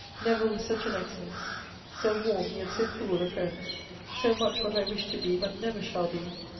Never was such an excellence! So warm, yet so cool a friend! So much what I wish to be, but never shall be!